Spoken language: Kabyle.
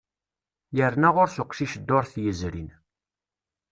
Yerna ɣur-s uqcic ddurt yezrin.